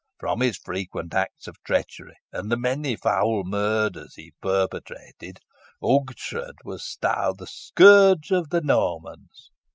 From his frequent acts of treachery, and the many foul murders he perpetrated, Ughtred was styled the 'Scourge of the Normans.'